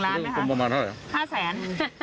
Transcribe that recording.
เตรียมหลักทรัพย์ประมาณเกี่ยวกัน